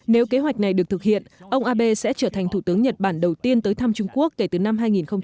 nếu kế hoạch này được thực hiện ông abe sẽ trở thành thủ tướng nhật bản đầu tiên tới thăm trung quốc kể từ năm hai nghìn một mươi